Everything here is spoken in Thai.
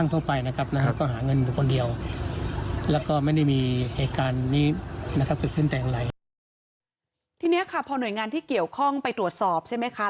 ทีนี้ค่ะพอหน่วยงานที่เกี่ยวข้องไปตรวจสอบใช่ไหมคะ